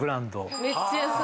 めっちゃ安い。